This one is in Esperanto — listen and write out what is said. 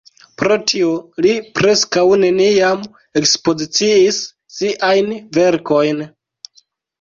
Pro tio li preskaŭ neniam ekspoziciis siajn verkojn.